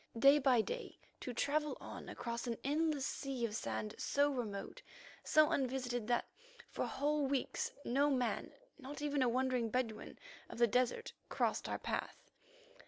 Day by day to travel on across an endless sea of sand so remote, so unvisited that for whole weeks no man, not even a wandering Bedouin of the desert, crossed our path.